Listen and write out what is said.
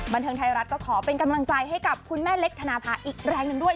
บันเทิงไทยรัฐก็ขอเป็นกำลังใจให้กับคุณแม่เล็กธนภาอีกแรงหนึ่งด้วย